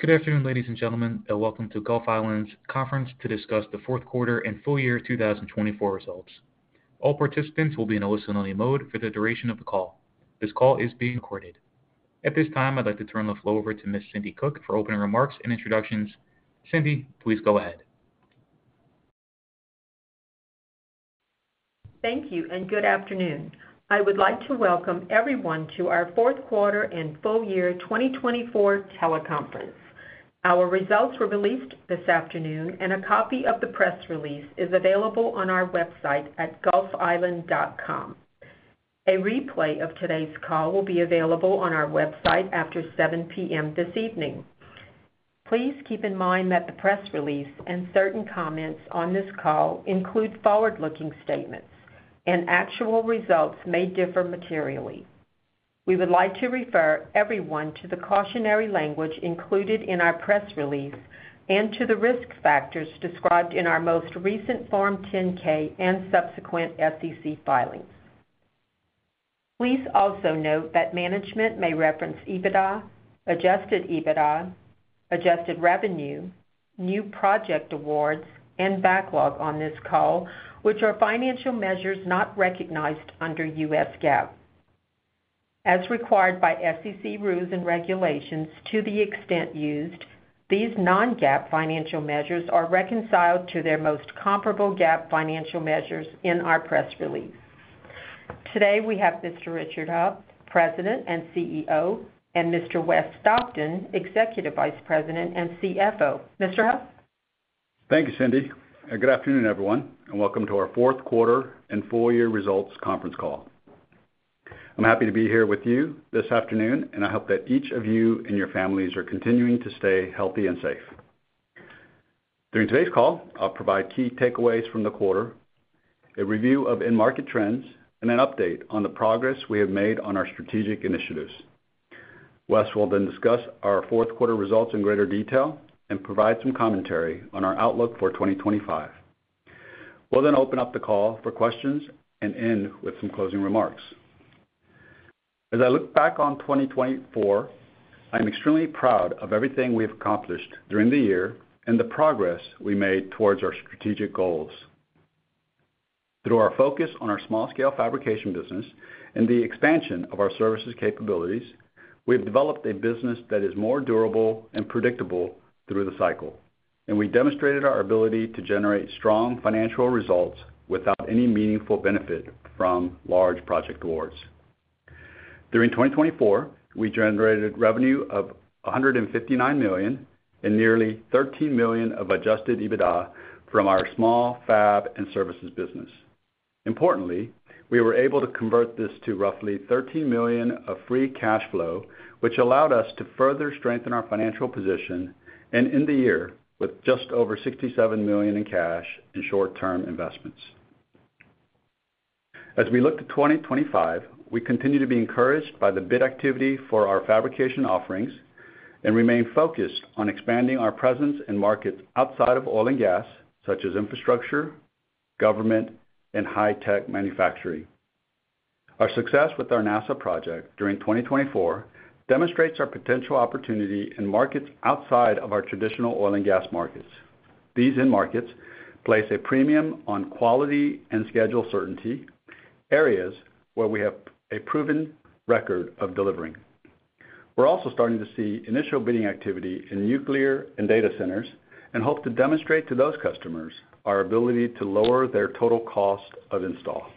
Good afternoon, ladies and gentlemen, and welcome to Gulf Island's conference to discuss the fourth quarter and full year 2024 results. All participants will be in a listen-only mode for the duration of the call. This call is being recorded. At this time, I'd like to turn the floor over to Ms. Cindi Cook for opening remarks and introductions. Cindi, please go ahead. Thank you, and good afternoon. I would like to welcome everyone to our fourth quarter and full year 2024 teleconference. Our results were released this afternoon, and a copy of the press release is available on our website at gulfisland.com. A replay of today's call will be available on our website after 7:00 P.M. this evening. Please keep in mind that the press release and certain comments on this call include forward-looking statements, and actual results may differ materially. We would like to refer everyone to the cautionary language included in our press release and to the risk factors described in our most recent Form 10-K and subsequent SEC filings. Please also note that management may reference EBITDA, adjusted EBITDA, adjusted revenue, new project awards, and backlog on this call, which are financial measures not recognized under US GAAP. As required by SEC rules and regulations to the extent used, these non-GAAP financial measures are reconciled to their most comparable GAAP financial measures in our press release. Today, we have Mr. Richard Heo, President and CEO, and Mr. West Stockton, Executive Vice President and CFO. Mr. Heo? Thank you, Cindi. Good afternoon, everyone, and welcome to our fourth quarter and full year results conference call. I'm happy to be here with you this afternoon, and I hope that each of you and your families are continuing to stay healthy and safe. During today's call, I'll provide key takeaways from the quarter, a review of in-market trends, and an update on the progress we have made on our strategic initiatives. West will then discuss our fourth quarter results in greater detail and provide some commentary on our outlook for 2025. We'll then open up the call for questions and end with some closing remarks. As I look back on 2024, I'm extremely proud of everything we've accomplished during the year and the progress we made towards our strategic goals. Through our focus on our small-scale fabrication business and the expansion of our services capabilities, we have developed a business that is more durable and predictable through the cycle, and we demonstrated our ability to generate strong financial results without any meaningful benefit from large project awards. During 2024, we generated revenue of $159 million and nearly $13 million of adjusted EBITDA from our small fab and services business. Importantly, we were able to convert this to roughly $13 million of free cash flow, which allowed us to further strengthen our financial position and end the year with just over $67 million in cash and short-term investments. As we look to 2025, we continue to be encouraged by the bid activity for our fabrication offerings and remain focused on expanding our presence in markets outside of oil and gas, such as infrastructure, government, and high-tech manufacturing. Our success with our NASA project during 2024 demonstrates our potential opportunity in markets outside of our traditional oil and gas markets. These in-markets place a premium on quality and schedule certainty, areas where we have a proven record of delivering. We're also starting to see initial bidding activity in nuclear and data centers and hope to demonstrate to those customers our ability to lower their total cost of install.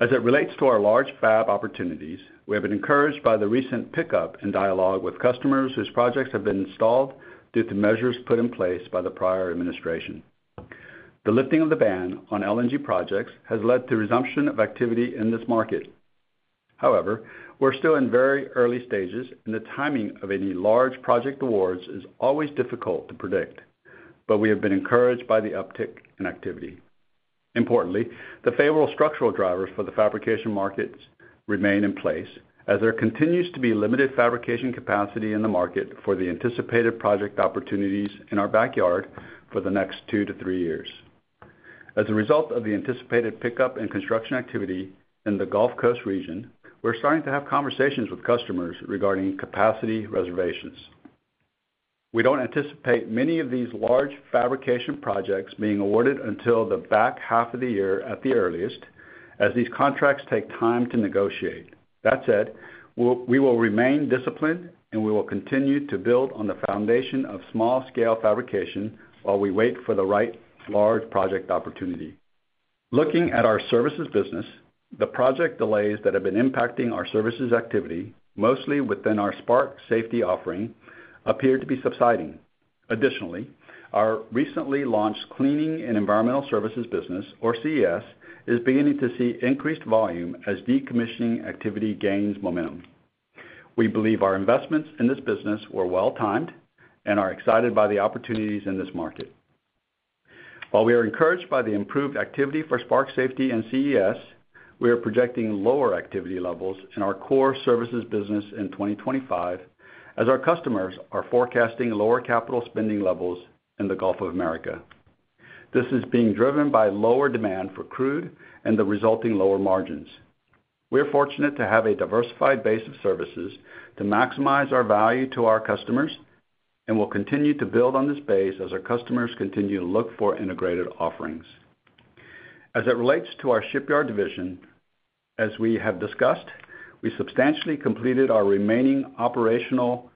As it relates to our large fab opportunities, we have been encouraged by the recent pickup and dialogue with customers whose projects have been installed due to measures put in place by the prior administration. The lifting of the ban on LNG projects has led to resumption of activity in this market. However, we're still in very early stages, and the timing of any large project awards is always difficult to predict, but we have been encouraged by the uptick in activity. Importantly, the favorable structural drivers for the fabrication markets remain in place, as there continues to be limited fabrication capacity in the market for the anticipated project opportunities in our backyard for the next two to three years. As a result of the anticipated pickup in construction activity in the Gulf Coast region, we're starting to have conversations with customers regarding capacity reservations. We don't anticipate many of these large fabrication projects being awarded until the back half of the year at the earliest, as these contracts take time to negotiate. That said, we will remain disciplined, and we will continue to build on the foundation of small-scale fabrication while we wait for the right large project opportunity. Looking at our services business, the project delays that have been impacting our services activity, mostly within our Spark Safety offering, appear to be subsiding. Additionally, our recently launched cleaning and environmental services business, or CES, is beginning to see increased volume as decommissioning activity gains momentum. We believe our investments in this business were well-timed and are excited by the opportunities in this market. While we are encouraged by the improved activity for Spark Safety and CES, we are projecting lower activity levels in our core services business in 2025, as our customers are forecasting lower capital spending levels in the Gulf of America. This is being driven by lower demand for crude and the resulting lower margins. We are fortunate to have a diversified base of services to maximize our value to our customers and will continue to build on this base as our customers continue to look for integrated offerings. As it relates to our shipyard division, as we have discussed, we substantially completed our remaining operational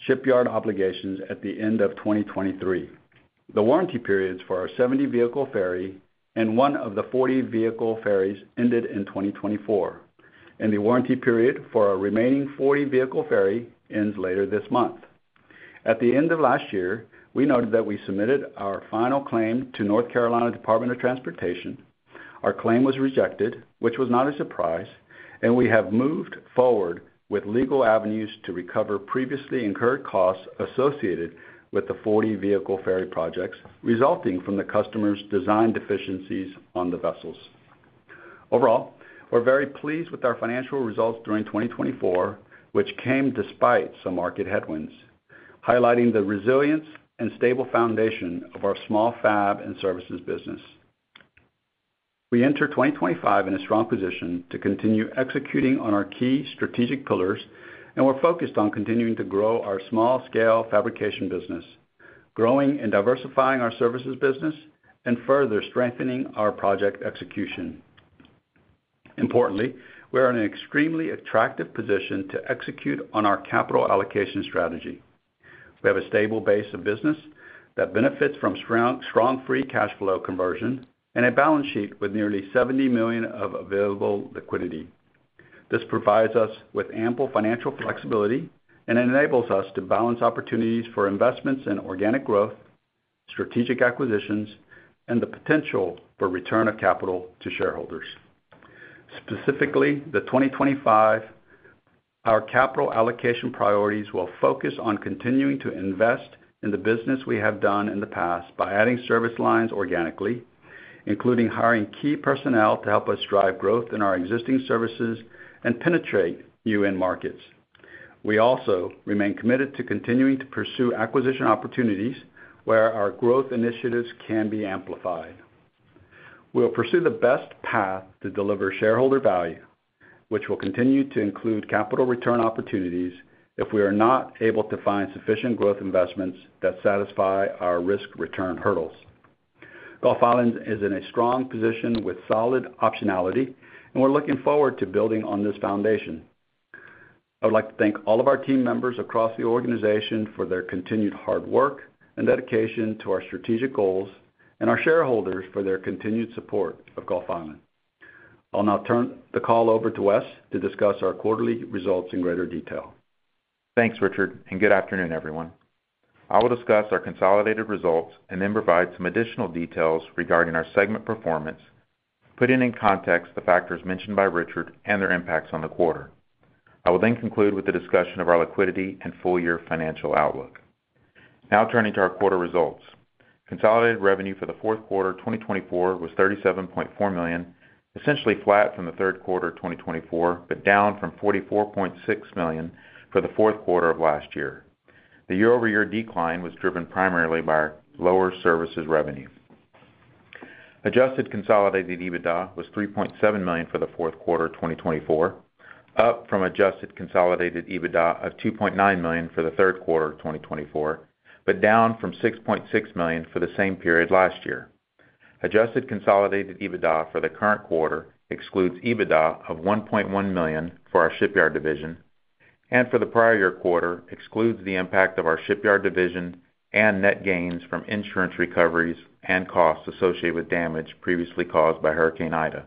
shipyard obligations at the end of 2023. The warranty periods for our 70-vehicle ferry and one of the 40-vehicle ferries ended in 2024, and the warranty period for our remaining 40-vehicle ferry ends later this month. At the end of last year, we noted that we submitted our final claim to North Carolina Department of Transportation. Our claim was rejected, which was not a surprise, and we have moved forward with legal avenues to recover previously incurred costs associated with the 40-vehicle ferry projects resulting from the customers' design deficiencies on the vessels. Overall, we're very pleased with our financial results during 2024, which came despite some market headwinds, highlighting the resilience and stable foundation of our small fab and services business. We enter 2025 in a strong position to continue executing on our key strategic pillars, and we're focused on continuing to grow our small-scale fabrication business, growing and diversifying our services business, and further strengthening our project execution. Importantly, we are in an extremely attractive position to execute on our capital allocation strategy. We have a stable base of business that benefits from strong free cash flow conversion and a balance sheet with nearly $70 million of available liquidity. This provides us with ample financial flexibility and enables us to balance opportunities for investments in organic growth, strategic acquisitions, and the potential for return of capital to shareholders. Specifically, for 2025, our capital allocation priorities will focus on continuing to invest in the business we have done in the past by adding service lines organically, including hiring key personnel to help us drive growth in our existing services and penetrate new end markets. We also remain committed to continuing to pursue acquisition opportunities where our growth initiatives can be amplified. We will pursue the best path to deliver shareholder value, which will continue to include capital return opportunities if we are not able to find sufficient growth investments that satisfy our risk return hurdles. Gulf Island is in a strong position with solid optionality, and we're looking forward to building on this foundation. I would like to thank all of our team members across the organization for their continued hard work and dedication to our strategic goals and our shareholders for their continued support of Gulf Island. I'll now turn the call over to West to discuss our quarterly results in greater detail. Thanks, Richard, and good afternoon, everyone. I will discuss our consolidated results and then provide some additional details regarding our segment performance, putting in context the factors mentioned by Richard and their impacts on the quarter. I will then conclude with the discussion of our liquidity and full year financial outlook. Now turning to our quarter results, consolidated revenue for the fourth quarter of 2024 was $37.4 million, essentially flat from the third quarter of 2024, but down from $44.6 million for the fourth quarter of last year. The year-over-year decline was driven primarily by lower services revenue. Adjusted consolidated EBITDA was $3.7 million for the fourth quarter of 2024, up from adjusted consolidated EBITDA of $2.9 million for the third quarter of 2024, but down from $6.6 million for the same period last year. Adjusted consolidated EBITDA for the current quarter excludes EBITDA of $1.1 million for our shipyard division, and for the prior year quarter excludes the impact of our shipyard division and net gains from insurance recoveries and costs associated with damage previously caused by Hurricane Ida.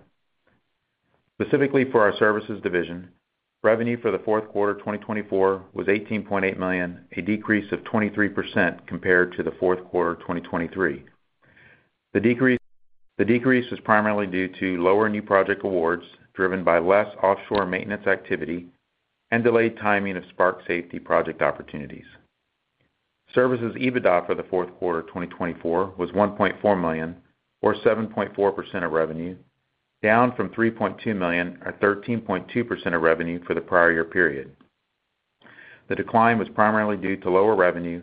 Specifically for our services division, revenue for the fourth quarter of 2024 was $18.8 million, a decrease of 23% compared to the fourth quarter of 2023. The decrease was primarily due to lower new project awards driven by less offshore maintenance activity and delayed timing of Spark Safety project opportunities. Services EBITDA for the fourth quarter of 2024 was $1.4 million, or 7.4% of revenue, down from $3.2 million, or 13.2% of revenue for the prior year period. The decline was primarily due to lower revenue,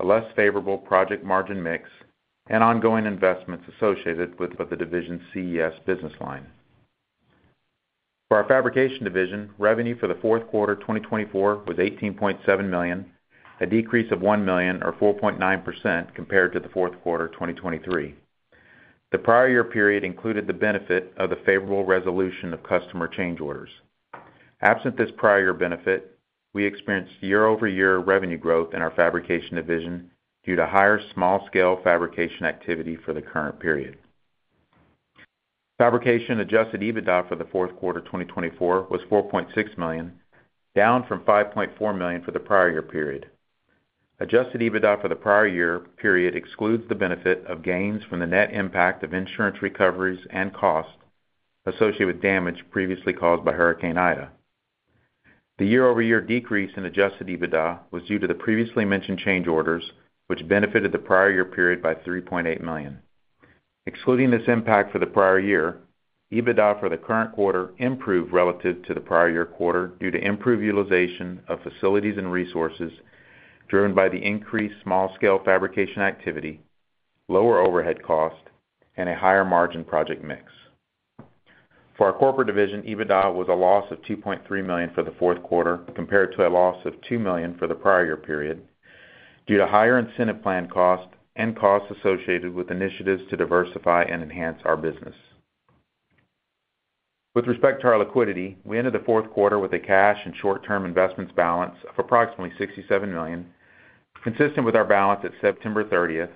a less favorable project margin mix, and ongoing investments associated with the division's CES business line. For our fabrication division, revenue for the fourth quarter of 2024 was $18.7 million, a decrease of $1 million, or 4.9% compared to the fourth quarter of 2023. The prior year period included the benefit of the favorable resolution of customer change orders. Absent this prior year benefit, we experienced year-over-year revenue growth in our fabrication division due to higher small-scale fabrication activity for the current period. Fabrication adjusted EBITDA for the fourth quarter of 2024 was $4.6 million, down from $5.4 million for the prior year period. Adjusted EBITDA for the prior year period excludes the benefit of gains from the net impact of insurance recoveries and costs associated with damage previously caused by Hurricane Ida. The year-over-year decrease in adjusted EBITDA was due to the previously mentioned change orders, which benefited the prior year period by $3.8 million. Excluding this impact for the prior year, EBITDA for the current quarter improved relative to the prior year quarter due to improved utilization of facilities and resources driven by the increased small-scale fabrication activity, lower overhead cost, and a higher margin project mix. For our corporate division, EBITDA was a loss of $2.3 million for the fourth quarter compared to a loss of $2 million for the prior year period due to higher incentive plan cost and costs associated with initiatives to diversify and enhance our business. With respect to our liquidity, we ended the fourth quarter with a cash and short-term investments balance of approximately $67 million, consistent with our balance at September 30,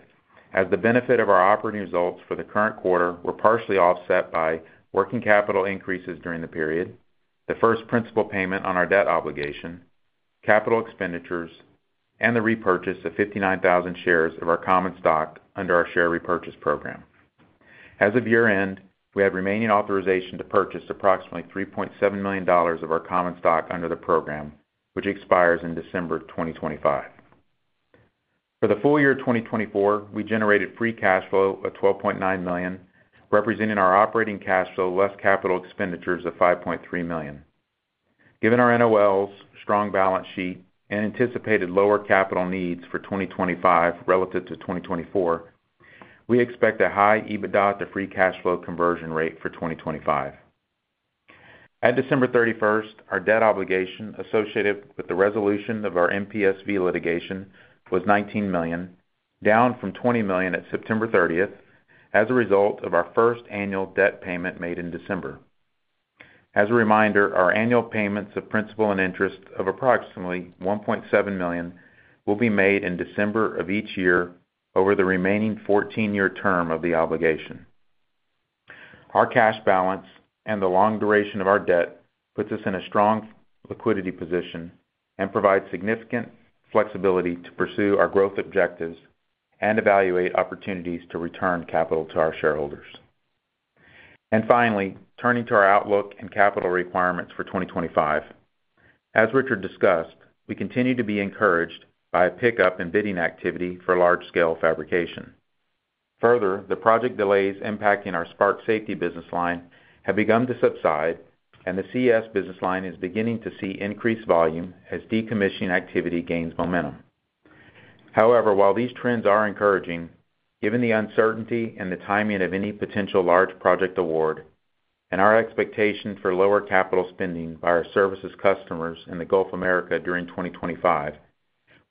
as the benefit of our operating results for the current quarter were partially offset by working capital increases during the period, the first principal payment on our debt obligation, capital expenditures, and the repurchase of 59,000 shares of our common stock under our share repurchase program. As of year-end, we had remaining authorization to purchase approximately $3.7 million of our common stock under the program, which expires in December 2025. For the full year of 2024, we generated free cash flow of $12.9 million, representing our operating cash flow less capital expenditures of $5.3 million. Given our NOLs, strong balance sheet, and anticipated lower capital needs for 2025 relative to 2024, we expect a high EBITDA to free cash flow conversion rate for 2025. At December 31, our debt obligation associated with the resolution of our MPSV litigation was $19 million, down from $20 million at September 30, as a result of our first annual debt payment made in December. As a reminder, our annual payments of principal and interest of approximately $1.7 million will be made in December of each year over the remaining 14-year term of the obligation. Our cash balance and the long duration of our debt puts us in a strong liquidity position and provides significant flexibility to pursue our growth objectives and evaluate opportunities to return capital to our shareholders. Finally, turning to our outlook and capital requirements for 2025, as Richard discussed, we continue to be encouraged by pickup in bidding activity for large-scale fabrication. Further, the project delays impacting our SPARC Safety business line have begun to subside, and the CES business line is beginning to see increased volume as decommissioning activity gains momentum. However, while these trends are encouraging, given the uncertainty and the timing of any potential large project award and our expectation for lower capital spending by our services customers in the Gulf America during 2025,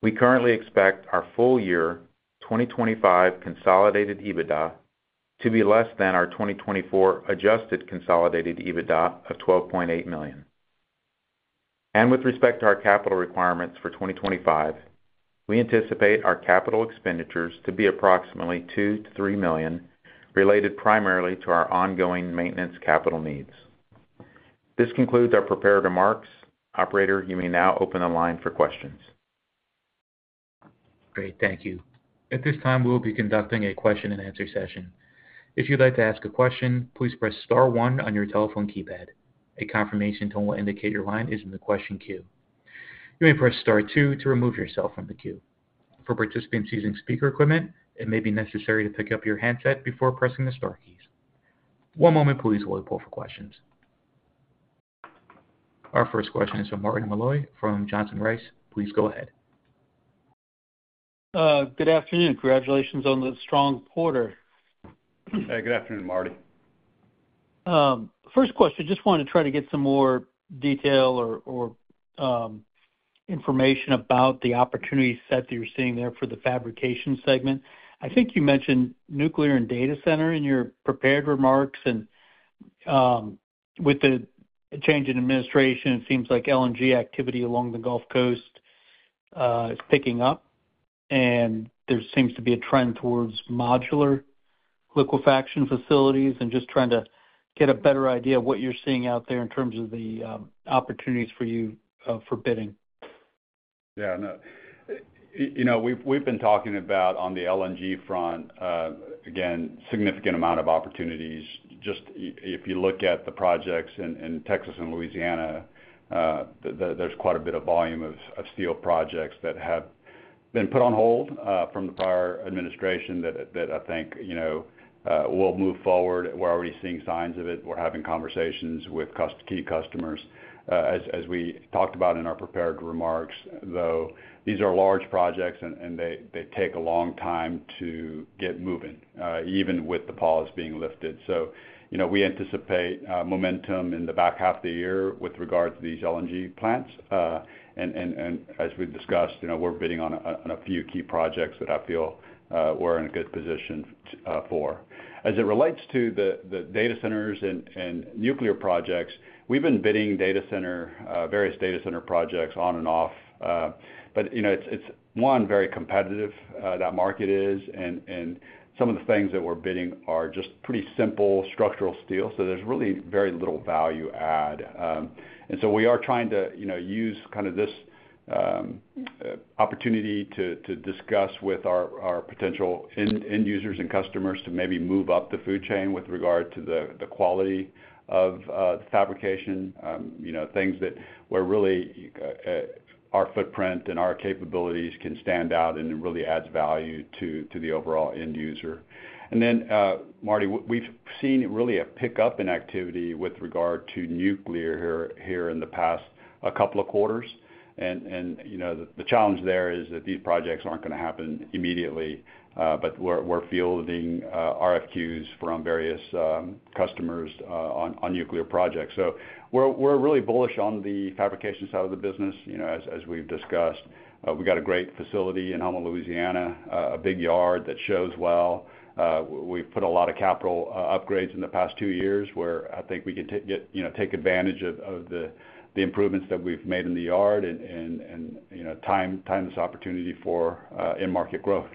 we currently expect our full year 2025 consolidated EBITDA to be less than our 2024 adjusted consolidated EBITDA of $12.8 million. With respect to our capital requirements for 2025, we anticipate our capital expenditures to be approximately $2-$3 million, related primarily to our ongoing maintenance capital needs. This concludes our prepared remarks. Operator, you may now open the line for questions. Great. Thank you. At this time, we will be conducting a question-and-answer session. If you'd like to ask a question, please press Star one on your telephone keypad. A confirmation tone will indicate your line is in the question queue. You may press Star two to remove yourself from the queue. For participants using speaker equipment, it may be necessary to pick up your handset before pressing the Star keys. One moment, please, while we pull for questions. Our first question is from Martin Malloy from Johnson Rice. Please go ahead. Good afternoon. Congratulations on the strong quarter. Hey, good afternoon, Martin. First question, just wanted to try to get some more detail or information about the opportunity set that you're seeing there for the fabrication segment. I think you mentioned nuclear and data center in your prepared remarks. With the change in administration, it seems like LNG activity along the Gulf Coast is picking up, and there seems to be a trend towards modular liquefaction facilities and just trying to get a better idea of what you're seeing out there in terms of the opportunities for you for bidding. Yeah. We've been talking about, on the LNG front, again, a significant amount of opportunities. Just if you look at the projects in Texas and Louisiana, there's quite a bit of volume of steel projects that have been put on hold from the prior administration that I think will move forward. We're already seeing signs of it. We're having conversations with key customers, as we talked about in our prepared remarks, though these are large projects, and they take a long time to get moving, even with the pause being lifted. We anticipate momentum in the back half of the year with regard to these LNG plants. As we've discussed, we're bidding on a few key projects that I feel we're in a good position for. As it relates to the data centers and nuclear projects, we've been bidding various data center projects on and off. It is one very competitive market, and some of the things that we're bidding are just pretty simple structural steel. There is really very little value add. We are trying to use this opportunity to discuss with our potential end users and customers to maybe move up the food chain with regard to the quality of fabrication, things where really our footprint and our capabilities can stand out and really add value to the overall end user. Marty, we've seen really a pickup in activity with regard to nuclear here in the past couple of quarters. The challenge there is that these projects are not going to happen immediately, but we're fielding RFQs from various customers on nuclear projects. We are really bullish on the fabrication side of the business, as we've discussed. We've got a great facility in Houma, Louisiana, a big yard that shows well. We've put a lot of capital upgrades in the past two years where I think we can take advantage of the improvements that we've made in the yard and time this opportunity for in-market growth.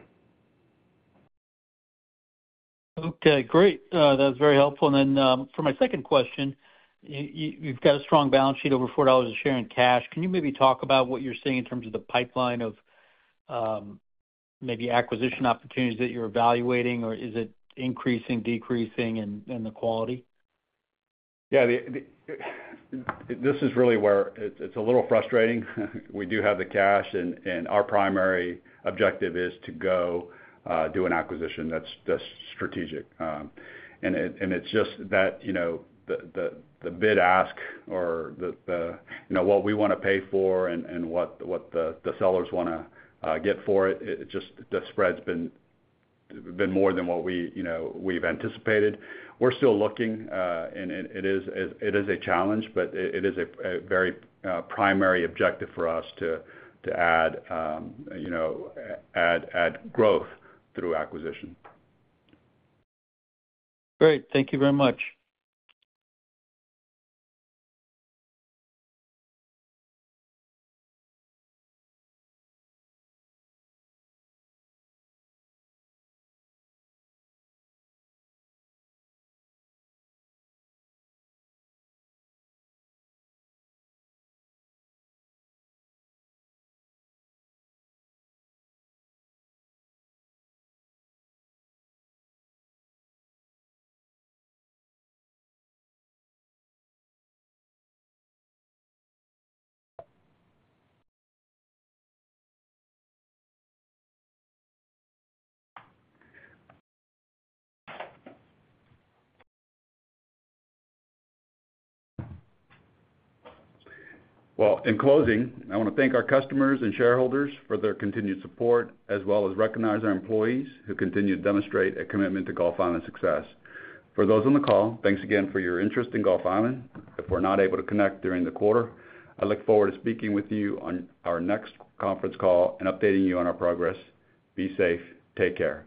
Okay. Great. That was very helpful. For my second question, you've got a strong balance sheet, over $4 a share in cash. Can you maybe talk about what you're seeing in terms of the pipeline of maybe acquisition opportunities that you're evaluating, or is it increasing, decreasing in the quality? Yeah. This is really where it's a little frustrating. We do have the cash, and our primary objective is to go do an acquisition that's strategic. It's just that the bid-ask or what we want to pay for and what the sellers want to get for it, just the spread's been more than what we've anticipated. We're still looking, and it is a challenge, but it is a very primary objective for us to add growth through acquisition. Great. Thank you very much. In closing, I want to thank our customers and shareholders for their continued support, as well as recognize our employees who continue to demonstrate a commitment to Gulf Island success. For those on the call, thanks again for your interest in Gulf Island. If we're not able to connect during the quarter, I look forward to speaking with you on our next conference call and updating you on our progress. Be safe. Take care.